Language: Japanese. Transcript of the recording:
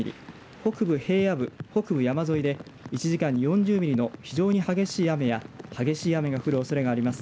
北部平野部・北部山沿いで１時間に４０ミリの非常に激しい雨や激しい雨の降るおそれがあります。